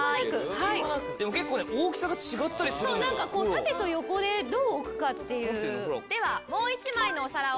縦と横でどう置くかっていう。